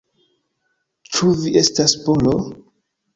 Ĉu vi estas Polo?